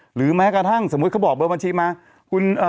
หรือแม้กระทั่งสมมุติชื่อบอกเบอร์บาทบาทมา